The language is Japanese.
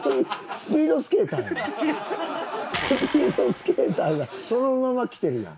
スピードスケーターがそのまま来てるやん。